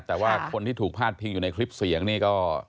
แต่ว่าคนที่ถูกพาดพิงอยู่ในคลิปเสียงนี่ก็